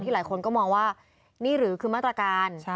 หลายคนก็มองว่านี่หรือคือมาตรการ